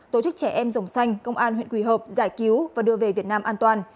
tổ chức trẻ em dòng xanh công an huyện quỳ hợp giải cứu và đưa về việt nam an toàn